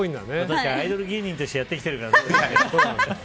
確かにアイドル芸人としてやってきてるからね。